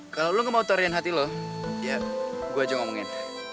kalau lo gak mau tarian hati lo ya gue aja ngomongin